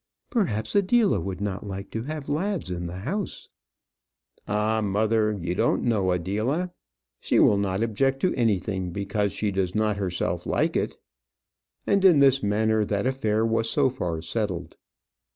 "Perhaps Adela would not like to have lads in the house." "Ah, mother, you don't know Adela. She will not object to anything because she does not herself like it." And in this manner that affair was so far settled.